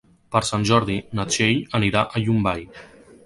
Per Sant Jordi na Txell anirà a Llombai.